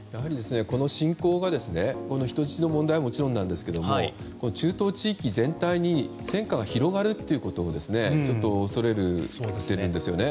この侵攻は人質の問題はもちろんなんですが中東地域全体に戦火が広がることを恐れているんですね。